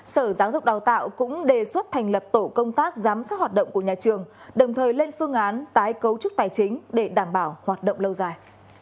sở giáo dục đào tạo cũng đề xuất thành lập tổ công tác giám sát hoạt động của nhà trường đồng thời lên phương án tái cấu trúc tài chính để đảm bảo hoạt động lâu dài